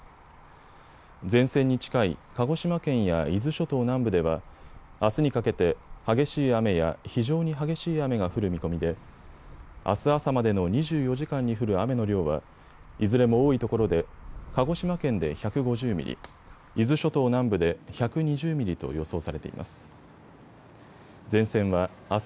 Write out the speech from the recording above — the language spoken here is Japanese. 前線に近い鹿児島県や伊豆諸島南部ではあすにかけて激しい雨や非常に激しい雨が降る見込みであす朝までの２４時間に降る雨の量はいずれも多いところで鹿児島県で１５０ミリ、伊豆諸島南部で１２０ミリと予想されています。